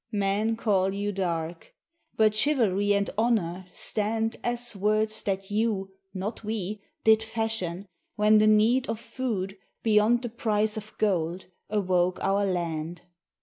Men call you "dark." But chivalry and honour stand As words that you, not we, did fashion, when the need Of food beyond the price of gold awoke our land.